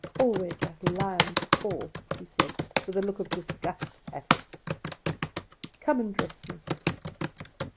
Always that lion's paw!" she said, with a look of disgust at it. "Come and dress me."